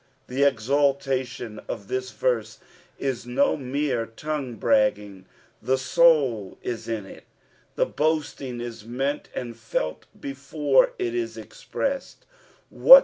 The exultation of this verse is no mere tonguo brag^ng, "the tout" is in it, the boasting is mcunt and felt before it is expressed. What